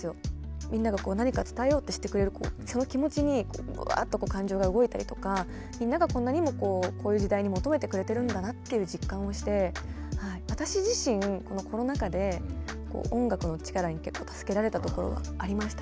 みんなが何か伝えようとしてくれるその気持ちにうわっと感情が動いたりとかみんながこんなにもこういう時代に求めてくれてるんだなっていう実感をして私自身このコロナ禍で音楽の力に結構助けられたところがありました。